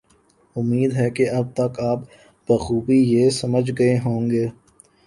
امید ہے کہ اب تک آپ بخوبی یہ سمجھ گئے ہوں گے